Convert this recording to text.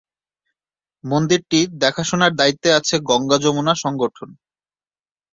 মন্দিরটি দেখাশোনার দায়িত্বে আছে গঙ্গা-যমুনা সংগঠন।